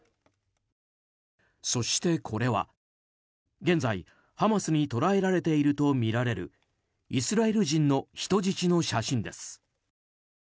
そして、これは現在ハマスに捕らえられているとみられるイスラエル人の人質の写真です。